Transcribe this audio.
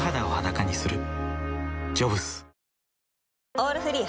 「オールフリー」